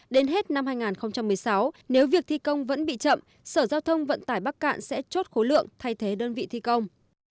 đến hết năm hai nghìn một mươi sáu nếu việc thi công vẫn bị chậm sở giao thông vận tải bắc cạn sẽ chốt khối lượng thay thế đơn vị thi công